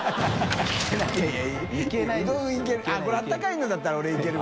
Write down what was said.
これ温かいのだったら俺いける。